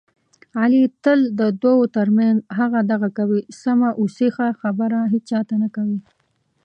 علي تل د دوو ترمنځ هغه دغه کوي، سمه اوسیخه خبره هېچاته نه کوي.